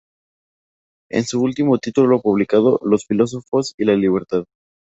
En su último título publicado —"Los filósofos y la libertad.